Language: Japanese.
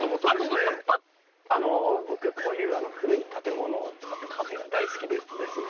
あの僕こういう古い建物を使ったカフェが大好きでですね。